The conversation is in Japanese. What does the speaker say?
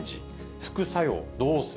副作用どうする？